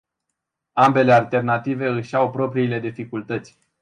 Ambele alternative își au propriile dificultăți.